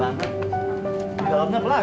banget di dalamnya apa lagi